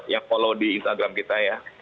yang follow di instagram kita ya